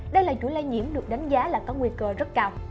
đây là chuỗi lây nhiễm được đánh giá là có nguy cơ rất cao